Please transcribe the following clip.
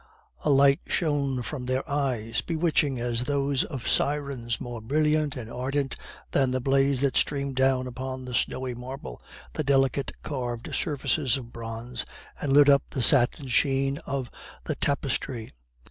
A light shone from their eyes, bewitching as those of sirens, more brilliant and ardent than the blaze that streamed down upon the snowy marble, the delicately carved surfaces of bronze, and lit up the satin sheen of the tapestry.